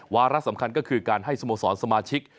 วาระสำคัญก็คือการให้สโมสรสมาชิก